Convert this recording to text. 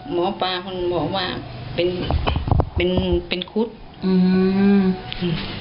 หมอปลาคุณหมอว่าเป็นคุศ